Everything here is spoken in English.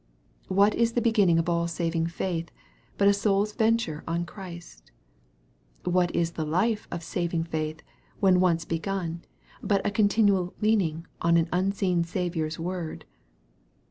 What is the beginning of all saving faith, but a soul's venture on Christ ? What is the life of saving faith, when once begun, but a continual leaning on an unseen Saviour's word